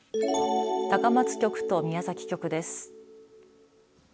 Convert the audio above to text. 高松局と宮崎局です。